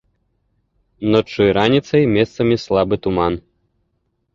Ноччу і раніцай месцамі слабы туман.